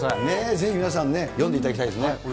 ぜひ皆さんね、読んでいただきたいですね。